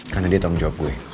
karena dia tanggung jawab gue